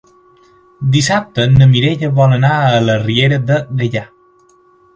Dissabte na Mireia vol anar a la Riera de Gaià.